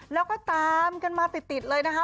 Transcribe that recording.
แล้วก็ตามกันมาติดเลยนะคะ